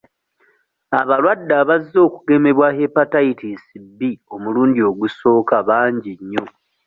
Abalwadde abazze okugemebwa Hepatitis B omulundi ogusooka bangi nnyo.